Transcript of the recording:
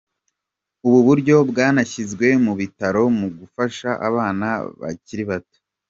Ubu buryo bwanashyizwe mu bitaro mu gufasha abana bakiri bato.